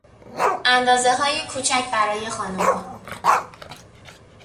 اندازههای کوچک برای خانمها